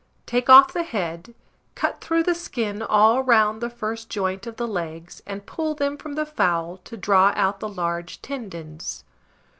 Take off the head, cut through the skin all round the first joint of the legs, and pull them from the fowl, to draw out the large tendons.